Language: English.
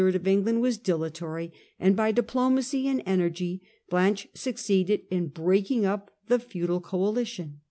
of England was dilatory, and by diplomacy and energy Blanche succeeded in breaking up the feudal coalition.